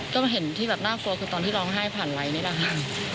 ก็เห็นที่แบบน่ากลัวคือตอนที่ร้องไห้ผ่านไลค์นี่แหละค่ะ